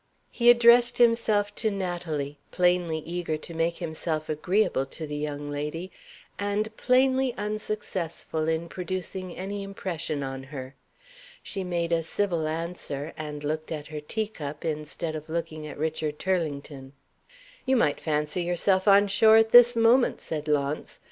He addressed himself to Natalie; plainly eager to make himself agreeable to the young lady and plainly unsuccessful in producing any impression on her. She made a civil answer; and looked at her tea cup, instead of looking at Richard Turlington. "You might fancy yourself on shore at this moment," said Launce.